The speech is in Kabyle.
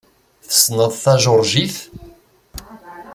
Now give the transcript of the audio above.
Tessneḍ tajuṛjit?